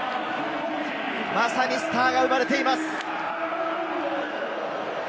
まさにスターが生まれています！